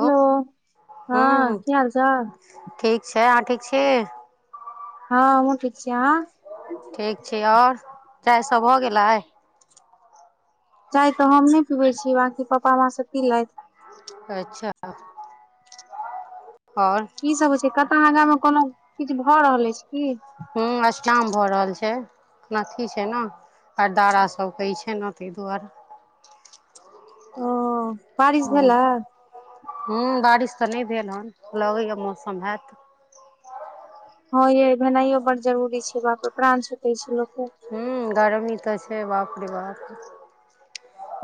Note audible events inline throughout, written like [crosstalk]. Hello हँ हूँ की हाल चाल? ठीक छै अहाँ ठीक छी? हँ हमहूँ ठीक छी। अहाँ? ठीक छी आओर चाय सभ भऽ गेलै? चाय त हम नय पीबय छी बाकी पप्पा माँ सब पीलैथ। अच्छा। आओर। की सब होइ छय? कतौ आगा मे कोनो किछु भऽ रहल अछि की? हम्म अष्टजाम भ रहल छै मास इ छय न अरदारा सब होई छै न। तहि दुआरे। ओ बारिश भेलै हम्म बारिश तऽ नय भेल हन लगैय मौसम हएत। हँ ये भेनाइयो बड्ड जरूरी छै बापरे प्राण छूटै छै लोक के। हू गरमी तऽ छै बापे रे बा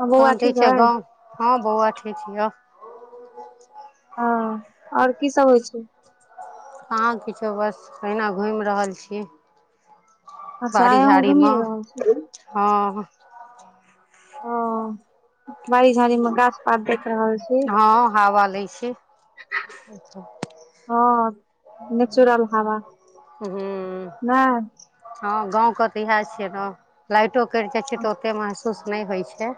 हँ बौआ तऽ ई ठीक छै अइ गाँव। हँ बौआ ठीक छियौ। हँ आओर की सब होइ छय? कहाँ किछो बस अहिना घुइम रहल छी। अच्छा आय अहुँ घुमिए रहल छी। ह ओ बाड़ी झाड़ी मे गाछ पात देख रहल छी। अच्छा हँ नेचुरल हावा हूँ नै। हँ गाँवके तऽ इएह छय ने लाइटो कटि जाइ छय तऽ ओते महसूस नहि होय छैय।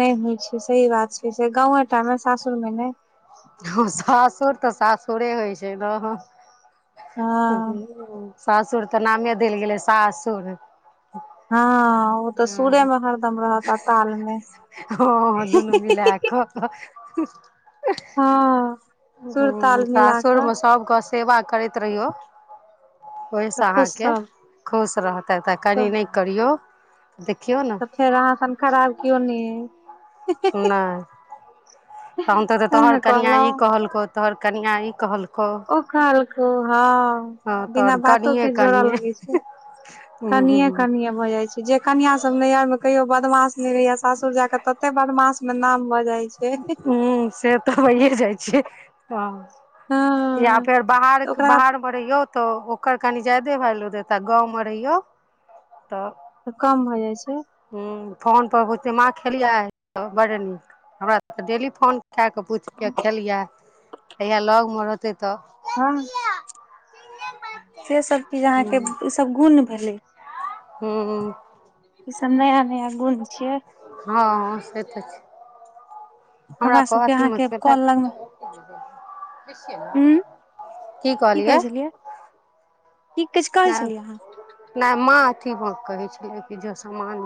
नहि होइ छैय सही बात छैय से गावे टा मे सासुर मे नय। हम सासुर तऽ सासुरे होइ छैय न। हँ सासुर तऽ नामे देल गेलै सा सुर। हँ ओ तऽ सुरे मे हरदम रहत आ ताल में। हँ दुनू मिलाक। हँ ह सुर ताल मिला कऽ सासुरमे सब क सेवा करैत रहिऔ तऽ ओहिसँ खुश अहाँके सब खुश रहत। त तऽ कनि नहि करियौ देखियौ ने। तऽ फेर अहाँ सन खराब केओ नहि अय। नय। तहन त तैं तोहर ने कनियाँ कहलौं इ कहलकौ तोहर कनियाँ इ कहलकौ। ओ कहलकौ हा। हँ बिना तोहर बातो कनिये के जोड़ऽ कनिये लगै छैय ह कनिये- कनिये म भ जाय छैय। जे कनिया सब नैहरमे कहियो बदमाश नय रहैया सासुर जा के तते बदमासमे नाम भ जाय छैय। हुँ से त भइये जाइ छैय ह। या हँ फेर तऽ बाहर- ओकरा बाहर पर रहियौ त ओकर कनि जादे वैल्यू देत आ गाँवमे रहियौ त त कम भ जाइ छैय। ह फोन पर बुझते माँ खेलियै त बड़ नीक हमरा सब त डेली फोन कैऽ क पुछैये खेलियै जहिया लगमे रहतै त। हँ। से सभ चीज अहाँके इ सभ गुण भेलै। हू। इ सब नया- नया गुण छियै। हँ से त छैय। हमरा त सबके अथि मे अहाँके कल लग मे उं [unintelligible] की कहै कहलियै। छलियै की किछु कहै नय। छलियै अहाँ नय माँ अथी भ कहै छलै कि ज समान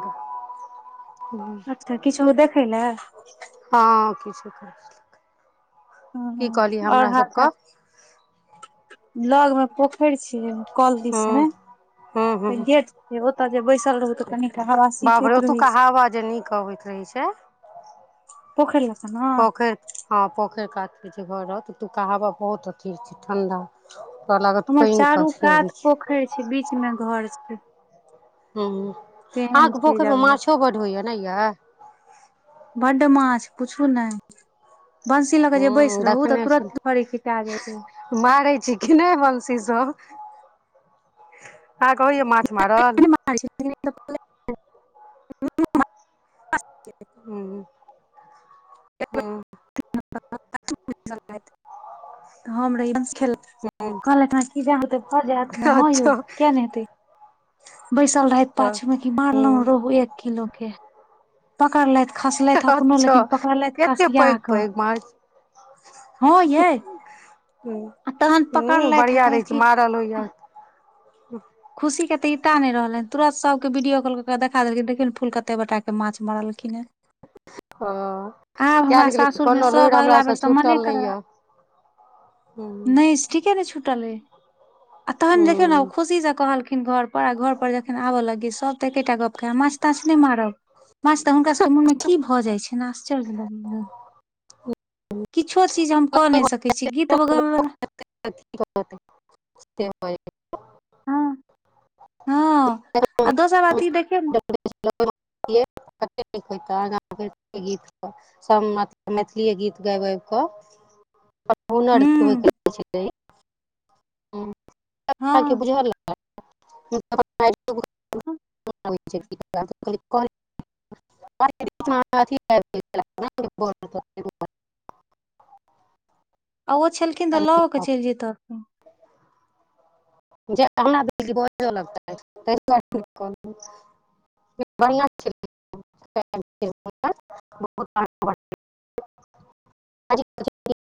अच्छा किछो देखै लए। हँ किछो कर, की कहलियै आओर हमरा सबके। लगमे पोखरि छियई कल हूँ दिसमे हूँ हूँ त गेट से ओतऽ जे बैसल रहु त कनि बाप रे ओतुका हावा जे नीक अबैत रहै छैय। पोखरि लग स न। हँ पोखैर कात के जे घर रहत ओतुका हवा बहुत अथी होइ छैय ठण्डा। त लागत हमर चारू कात छै पोखैर छैय बीचमे घर छैय। हू आहाँके पोखैरमे जगह माछो बड होइए नै यै। बड्ड माछ पूछू नै। बंसी ल के हूँ जे बैस रहू त देखने तुरत छलै उपर खिचा जाय हेतै। मारै छी कि नहि बंशी स। अहाँके होइए माछ मारल। [inaudible] [inaudible] हँ। [inaudible] हम रहिये [unintelligible] कहलैथ हन [inaudible] इ जे अहाँके भ जायत न, हँ यौ अच्छा किया ने हेतै बैसल रहैथ पाछुमे की मारलहु रेहू एक किलोके। अच्छा लेकिन पकड़लथि एते कसिया कऽ पैघ-पैघ मारे हँ छै। यै आ तहन हुं-हुं पकड़लथि आ बढ़िया रहै कहैत छै कि मारल होईया। खुशी के तऽ ऐता नै रहलैन तुरत सबके वीडियो कॉल कऽ क देखा देलखिन देखी नै फूल कते बड़ टाके माछ मारलखिन हें। हां। आब हमरा सासुर मे सब अगला बेर से मने छूटल नहि करय यऽ नै ठीके नै छुटल ऐ अ तहन देखियौ नै ओ खुशी से कहलखिन घर पर अ घर पर जखन आबऽ लगीए सब तै एकेटा गप्प कहे माछ-ताछ नै मारब। माछ तऽ हुनकर सबके मुन मे की भ जाइ छैन आश श्चर्य लगै यै, किछो चीज हम क नै सकै छीयै, गीत गाबै वला [unintelligible] हां। हां आ दोसर बात इ देखियौ नै [unintelligible] सब मत मैथिलीए गीत गाएब-गाएब कऽ तब हुनर होय के हूँ चाही हूं [unintelligible] हँ बुझल ऐ [unintelligible] नै आबै छै गीत गाबै [unintelligible] [unintelligible] आ ओ छलखिन तऽ ल ओऽ केऽ चैल जेता। जे [unintelligible] बजा लगतैथ [unintelligible] ई बढ़िया छै नै भजन-कीर्तन [unintelligible]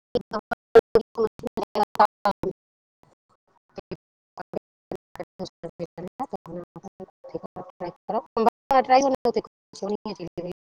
[unintelligible] [unintelligible] [unintelligible]